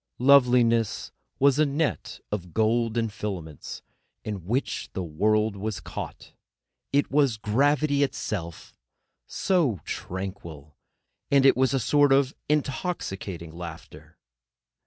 Loveliness was a net of golden filaments in which the world was caught. It was gravity itself, so tranquil; and it was a sort of intoxicating laughter.